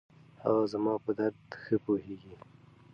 هغه زما په درد ښه پوهېږي.